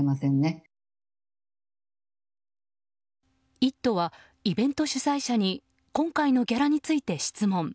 「イット！」はイベント主催者に今回のギャラについて質問。